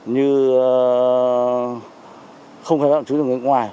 như không khai báo tạm trú cho người nước ngoài